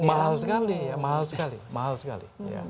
mahal sekali mahal sekali